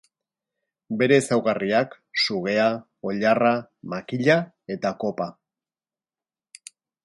Bere ezaugarriak: sugea, oilarra, makila eta kopa.